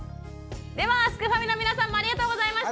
ではすくファミの皆さんもありがとうございました！